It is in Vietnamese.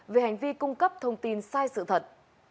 về hành vi cung cấp thông tin sai sự thật